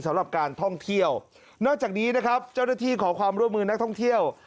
สำหรับการท่องเที่ยวนอกจากนี้นะครับเจ้าหน้าที่ขอความร่วมมือนักท่องเที่ยว